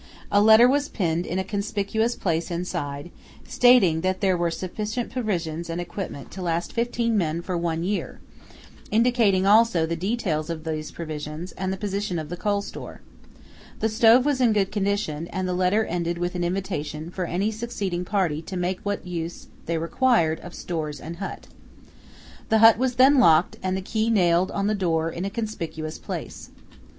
A letter was pinned in a conspicuous place inside, stating that there were sufficient provisions and equipment to last fifteen men for one year, indicating also the details of these provisions and the position of the coal store. The stove was in good condition, and the letter ended with an invitation for any succeeding party to make what use they required of stores and hut. The hut was then locked and the key nailed on the door in a conspicuous place.